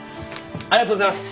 ありがとうございます。